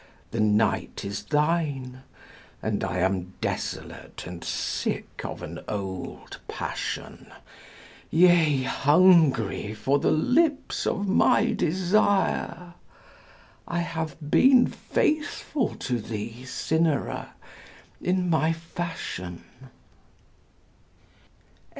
the night is thine; And I am desolate and sick of an old passion, Yea, hungry for the lips of my desire: I have been faithful to thee, Cynara! in my fashion.